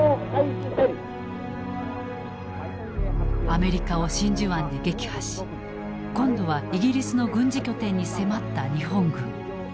アメリカを真珠湾で撃破し今度はイギリスの軍事拠点に迫った日本軍。